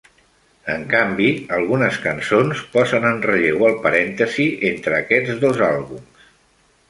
En canvi, algunes cançons posen en relleu el parèntesi entre aquests dos àlbums.